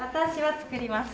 作りますね。